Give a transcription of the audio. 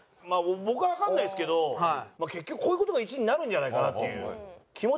僕はわかんないですけど結局こういう事が１位になるんじゃないかなっていう。